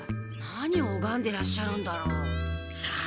何をおがんでらっしゃるんだろう？さあ？